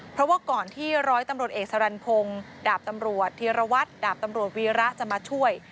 เพราะว่าก่อนที่ร้อยตำรวจเอกสรรพงศ์ดาบตำรวจธีรวัตรดาบตำรวจวีระจะมาช่วย